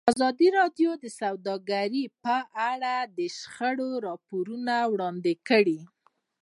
ازادي راډیو د سوداګري په اړه د شخړو راپورونه وړاندې کړي.